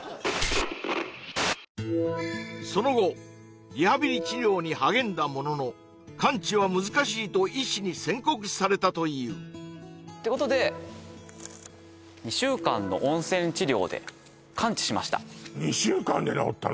その後リハビリ治療に励んだものの完治は難しいと医師に宣告されたというてことで２週間の温泉治療で完治しました２週間で治ったの！？